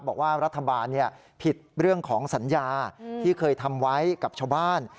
บอกว่ารัฐบาลผิดเรื่องของสัญญาที่เคยทำไว้กับชาวบ้าน